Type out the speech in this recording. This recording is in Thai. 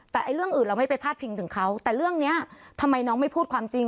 แต่เรื่องอื่นเราไม่ไปพาดพิงถึงเขาแต่เรื่องนี้ทำไมน้องไม่พูดความจริง